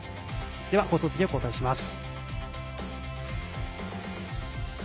放送席を交代します。